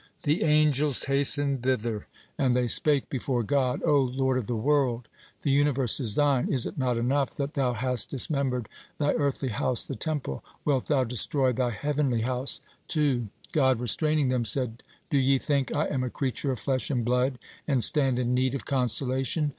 The angels hastened thither, and they spake before God: "O Lord of the world, the universe is Thine. Is it not enough that Thou hast dismembered Thy earthly house, the Temple? Wilt Thou destroy Thy heavenly house, too?" God restraining them said: "Do ye think I am a creature of flesh and blood, and stand in need of consolation?